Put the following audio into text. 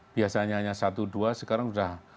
biasanya hanya satu dua sekarang sudah